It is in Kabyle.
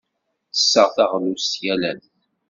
Ttesseɣ taɣlust yal ass.